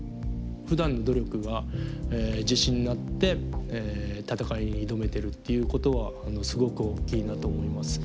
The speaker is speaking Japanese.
ふだんの努力が自信になって戦いに挑めてるっていうことはすごく大きいなと思います。